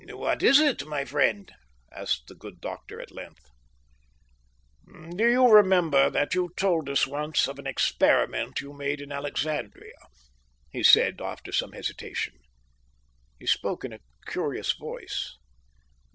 "What is it, my friend?" asked the good doctor at length. "Do you remember that you told us once of an experiment you made in Alexandria?" he said, after some hesitation. He spoke in a curious voice.